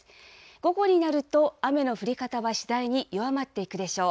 午後になると、雨の降り方は次第に弱まっていくでしょう。